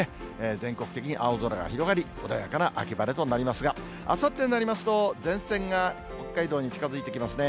全国的に青空が広がり、穏やかな秋晴れとなりますが、あさってになりますと、前線が北海道に近づいてきますね。